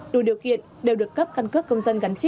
đủ điều kiện đều được cấp căn cước công dân gắn chip